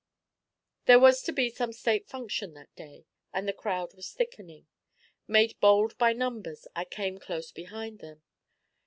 There was to be some State function that day, and the crowd was thickening. Made bold by numbers, I came close behind them.